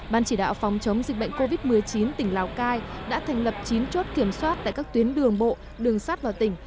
ban chỉ đạo phòng chống dịch bệnh covid một mươi chín tỉnh lào cai đã thành lập chín chốt kiểm soát tại các tuyến đường bộ đường sát vào tỉnh